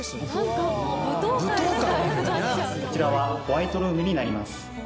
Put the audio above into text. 金子さん：こちらはホワイトルームになります。